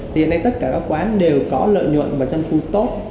thì hiện nay tất cả các quán đều có lợi nhuận và trân thu tốt